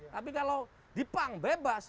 tapi kalau di punk bebas